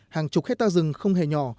hàng chục hectare rừng không hề nhỏ